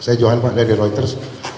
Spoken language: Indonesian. saya johan pak dari routers